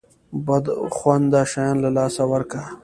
بد خونده شیان له لاسه ورکه.